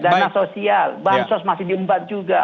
dana sosial bansos masih diembat juga